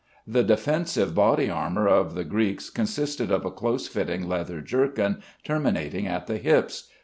The defensive body armor of the Greeks consisted of a close fitting leather jerkin terminating at the hips.